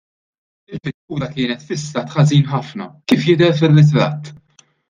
Il-pittura kienet fi stat ħażin ħafna, kif jidher fir-ritratt.